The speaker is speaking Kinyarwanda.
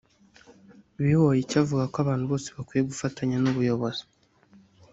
Bihoyiki avuga ko abantu bose bakwiye gufatanya n’ubuyobozi